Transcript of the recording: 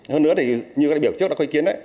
hơn nữa thì như các đại biểu trước đã khai kiến